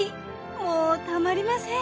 もうたまりません。